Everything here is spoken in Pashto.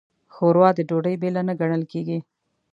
ښوروا د ډوډۍ بېله نه ګڼل کېږي.